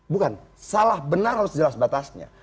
bukan salah benar harus jelas batasnya